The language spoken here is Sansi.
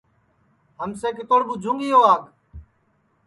ہمسیے کِتوڑ ٻُوجھوں گی یو آگ